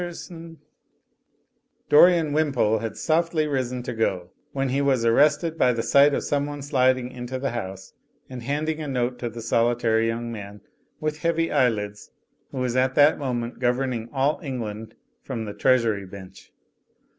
..." Digitized by CjOOQ IC 2i6 THE FLYING INN Dorian Wimpole had softly risen to go, when he was arrested by the sight of someone sliding into the House and handing a note to the solitary young man with heavy eyelids who was at that moment governing all England from the Treasury Bench.